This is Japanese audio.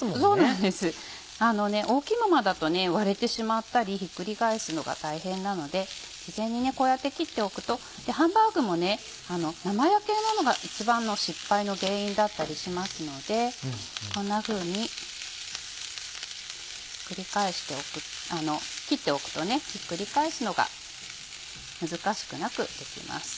大きいままだと割れてしまったりひっくり返すのが大変なので事前にこうやって切っておくとハンバーグも生焼けなのが一番の失敗の原因だったりしますのでこんなふうに。切っておくとひっくり返すのが難しくなくできます。